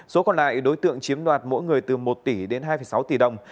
số còn lại đối tượng chiếm đoạt mỗi người từ một tỷ đến hai sáu tỷ đồng